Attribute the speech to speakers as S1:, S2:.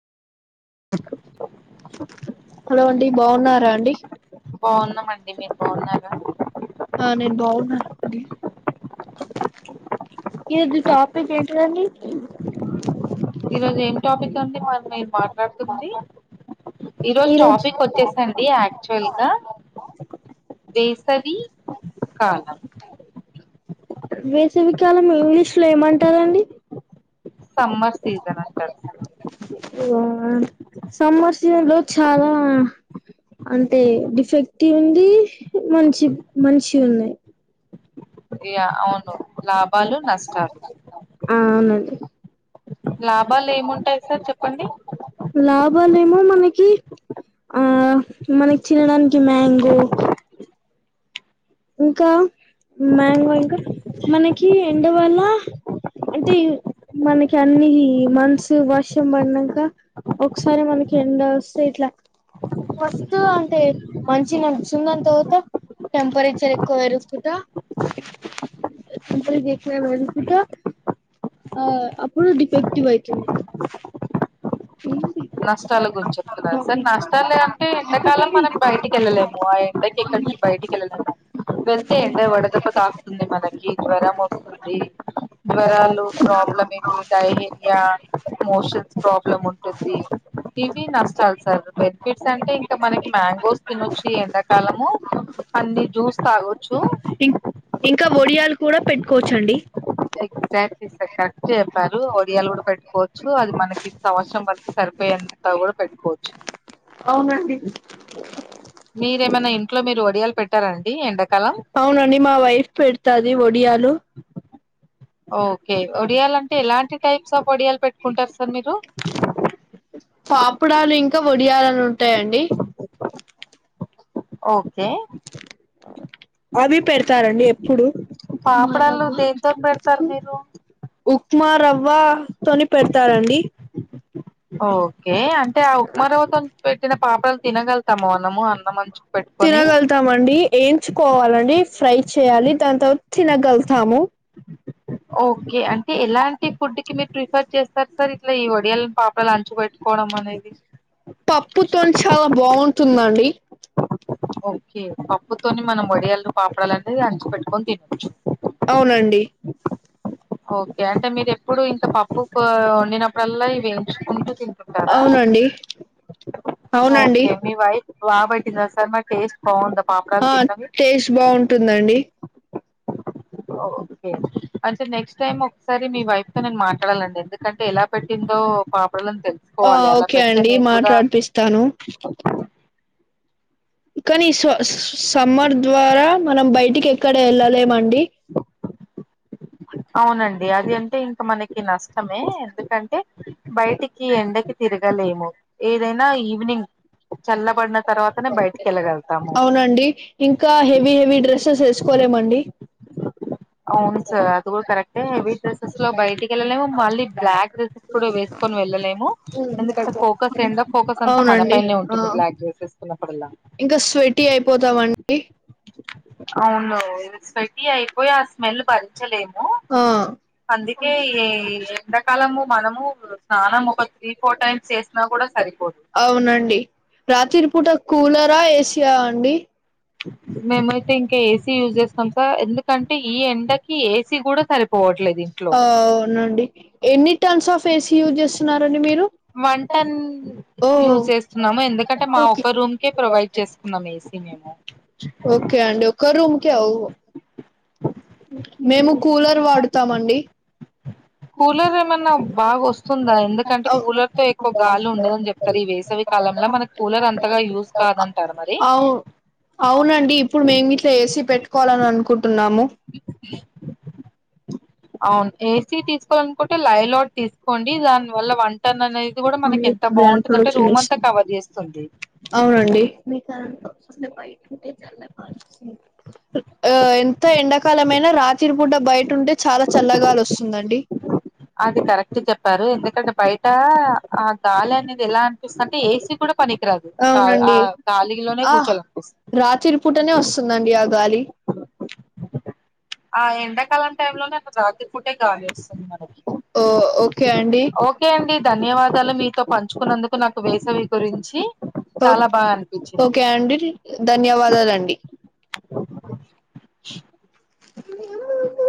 S1: బావున్నారా అండి
S2: బావున్నాం అండి మీరు బావున్నారా
S1: ఆ నేను బావున్నా అండి ఈ రోజుది టాపిక్ ఏంటిదండి
S2: ఈ రోజు ఏం టాపిక్ అండి మరి మీరు మాట్లాడుతుంది ఈరోజు టాపిక్ వచ్చేసి అండి యాక్చువల్ గా వేసవి కాలం
S1: వేసవికాలం ఇంగ్లీష్ లో ఏమంటారండి
S2: సమ్మర్ సీజన్ అంటారు
S1: సమ్మర్ సీజన్ లో చాలా అంటే డిఫెక్టీ ఉంది మంచి మంచివి ఉన్నాయి
S2: ఇయ అవును లాభాలు నష్టాలు
S1: ఆ అవునండి
S2: లాభాలు ఏముంటాయి సార్ చెప్పండి
S1: లాభాలేమో మనకి ఆ మన చినడానికి మ్యాంగో ఇంకా మ్యాంగో ఇంకా మనకి ఎండవల్ల అంటే మనకి అన్ని మంత్సు వర్షం పడినాంక ఒకసారి మనకి ఎండ వస్తే ఇట్లా ఫస్ట్ అంటే మంచి నడుచుందని తర్వాత టెంపరేచ చర్ ఎక్కువ ఏరేసుకుట [unintelligible] ఆ అప్పుడు డిఫెక్టివ్ అయితుంది ఏంది
S2: నష్టాల గురించి చెప్తున్నారు సార్ నష్టాలు అంటే ఎండాకాలం మనం బయటికి ఎళ్ళలేము ఆ ఎండకి ఎక్కడికి బయటికి ఎళ్ళాళ్ళేము వెళ్తే ఎండ వడదెబ్బ తాకుతుంది మనకి జ్వరం వస్తుంది జ్వరాలు ప్రాబ్లమ్ ఏ డైహేరియా మోషన్స్ ప్రాబ్లమ్ ఉంటుంది ఇవి నష్టాలు సార్ బెనిఫిట్స్ అంటే ఇంకా మనకి మ్యాంగోస్ తినొచ్చు ఎండాకాలము అన్ని జ్యూస్ తాగొచ్చు
S1: ఇం ఇంకా ఒడియాలు కూడా పెట్టుకోవచ్చండి
S2: ఎగ్జాక్ట్లీ సార్ కరెక్ట్ చెప్పారు ఒడియాలు కూడా పెట్టుకోవచ్చు అది మనకి ఇంక అవసరం ప సరిపోయేంత కూడా పెట్టుకోవచ్చు
S1: అవునండి
S2: మీరేమైనా ఇంట్లో మీరు ఒడియాలు పెట్టారాండి ఎండాకాలం
S1: అవునండి మా వైఫ్ పెడతాది ఒ డియాలు
S2: ఓకే ఒడియాలంటే ఎలాంటి టైప్స్ ఆఫ్ ఒడియాలు పెట్టుకుంటారు సార్ మీరు
S1: పాపుడాలు ఇంకా ఒడియాలని ఉంటాయంండి
S2: ఓకే
S1: అవి పెడతారండి ఎప్పుడు
S2: పాపడలు దేంతోని పెడతారు మీరు
S1: ఉప్మా రవ్వతోని పెడతారంండి
S2: ఓకే అంటే ఆ ఉప్మా రవ్వతోని పెట్టిన పాపడాలు తినగలుతామా మనము అంత మంచి
S1: తినగలుగుతామండి ఎయించుకోవాలండి ఫ్రై చేయ్యాలి దాని తర్వాత తినగలుతాము
S2: ఓకే అంటే ఎలాంటి ఫుడ్ కి మీరు ప్రిఫర్ చేస్తారు సార్ ఇట్లా ఈ వడియాలని పాపడాలని అంచు పెట్టుకోవడం అనేది
S1: పప్పుతోని చాలా బాగుంటుందండి
S2: ఓ కే పప్పుతోని మనం వడియాలని పాపడాలనేది అంచి పెట్టుకొని తినొచ్చు
S1: అవునండి
S2: ఓకే అంటే మీరు ఎప్పుడు ఇంత పప్పు వండినప్పుడల్లా ఇవి వేయించుకుంటూ తింటుంటారా
S1: అవునండి అవునండి
S2: ఓకే మీ వైఫ్ బాగా పెట్టిందా సార్ మరి టేస్ట్ బాగుందా పాపడాలు
S1: ఆ
S2: తిన్నవి
S1: టేస్ట్ బాగుంటుం దండి
S2: ఓకే అంటే నెక్స్ట్ టైమ్ ఒకసారి మీ వైఫ్ తో నేను మాట్లాడాలండి ఎందుకంటే ఎలా పెట్టిందో పాపడాలని
S1: ఆ
S2: తెలుసుకోవాలి అలా
S1: ఓకే
S2: పెడితే
S1: అండి
S2: నేను కూడా
S1: మాట్లాడిపిస్తాను కానీ సా సమ్మర్ ద్వారా మనం బయటికి ఎక్కడ ఎళ్ళలేమండి
S2: అవునండి అది అంటే ఇంకా మనకి నష్టమే ఎందుకంటే బయటికి ఎండకి తిరగలేము ఏదైనా ఈవినింగ్ చల్లబడిన తర్వాతనే బయటికి వెళ్ళగలుగుతాము
S1: అవునండి ఇంకా హెవీ హెవీ డ్రె స్సెస్ ఎసుకోలేమండి
S2: అవును సార్ అది కూడా కరెక్టే హెవీ డ్రస్సెస్ లో బయటికెళ్ళలేము మళ్ళీ బ్లాక్ డ్రెస్సెస్ కూడా వేస్ కొని వెళ్ళలేము ఎందుకంటే ఫోకస్ ఎండ ఫోకస్ అంతా మన
S1: అవునండి
S2: పైనే
S1: ఆ
S2: ఉంటుంది బ్లాక్ డేస్ ఏసుకున్నప్పుడల్లా
S1: ఇంకా స్వెట్టీ అయిపోతామండి
S2: అవును స్వెట్టీ అయిపోయి ఆ స్మెల్లు భరించలేము
S1: ఆ
S2: అందుకే ఏ ఎండాకాలము మనము స్నానం ఒక త్రీ ఫోర్ టైమ్స్ చేసినా కూడా సరిపోదు
S1: అవునండి రాత్రి పూట కూలరా ఏ సి ఆ అండి
S2: మేమయితే ఇంక ఏ సీ యూజ్ చేస్తాం సార్ ఎందుకంటే ఈ ఎండకి ఏసీ కూడా సరిపోవట్లేదు ఇంట్లో
S1: ఆ అవునండి ఎన్ని tons of A C use చేస్తున్నారండి మీరు
S2: వన్ టన్
S1: ఓ
S2: యూజ్ చేస్తున్నాము ఎందుకంటే మా
S1: ఓకే
S2: ఒక రూం కే ప్రొవైడ్ చేసుకున్నాం ఏ సీ మేము
S1: ఓకే అండి ఒక్క రూం కే ఔ మేము కూలర్ వాడుతామండి
S2: కూలర్ ఏమన్నా బాగొస్తుందా ఎందుకంటే
S1: అవ్-
S2: కూలర్ తో ఎక్కువ గాలి ఉండదు అని చెప్తారు ఈ వేసవి కాలం మల్ల మనకు కూలర్ అంతగా యూస్ కాదంటారు మరి
S1: అవు అవునండి ఇప్పుడు మేం గిట్లా ఏ సీ పెట్టుకోవాలని అనుకుంటున్నా [inaudible]
S2: అవును ఏసీ తీసుకోవాలనుకుంటే లైలాట్ తీసుకోండి దాని వల్ల వన్ టన్ అనేది కూడా మనకి ఎంత
S1: ప్లాంట్
S2: బాగుంటుందంటే
S1: ప్రొడక్షన్
S2: రూమ్
S1: చేసా
S2: అంతా కవర్ చేస్తుంది
S1: అవునండి [unintelligible] ఆ ఎంత ఎండాకాలమైనా రాతిరి పూట బయటుంటే చాలా ల గాలి వస్తుందండి
S2: అది కరెక్ట్ గ చెప్పారు ఎందుకంటే బయట ఆ గాలి అనేది ఎలా అనిపిస్తది అంటే ఏ సీ కూడా కూడా పనికిరాదు ఔ ఆ గాలిలోనే కూర్చోలనిపిస్
S1: రాతిరి పూటనే వస్తుందన్ గాలి
S2: ఆ ఎండాకాలం టైమ్ లోనే
S1: రాత్రి పూటే
S2: గాలి వస్తుంది
S1: గాలొస్తుంది
S2: మనకి
S1: ఓ ఓకే అండి ఓక్
S2: ఓకే అండి ధన్యవాదాలు మీతో పంచుకున్నందుకు నాకు వేసవి గురించి చాలా బాగా అనిపించింది
S1: ఓకే అండి ధన్యవాదాలు అండి
S2: హా.